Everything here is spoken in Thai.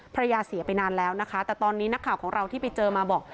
เสียไปนานแล้วนะคะแต่ตอนนี้นักข่าวของเราที่ไปเจอมาบอก